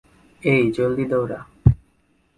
এই, জলদি দৌড়া।